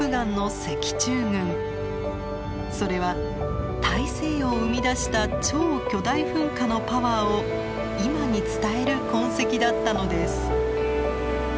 それは大西洋を生み出した超巨大噴火のパワーを今に伝える痕跡だったのです。